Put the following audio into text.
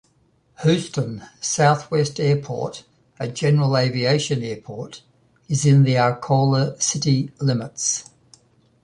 Houston Southwest Airport, a general aviation airport, is in the Arcola city limits.